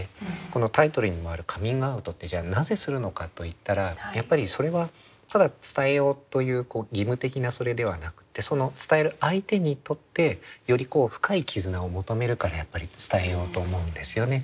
このタイトルにもあるカミングアウトってじゃあなぜするのかといったらやっぱりそれはただ伝えようという義務的なそれではなくてその伝える相手にとってより深い絆を求めるからやっぱり伝えようと思うんですよね。